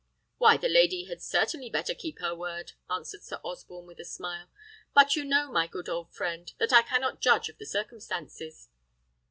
"Why, the lady had certainly better keep her word," answered Sir Osborne, with a smile; "but you know, my good old friend, that I cannot judge of the circumstances."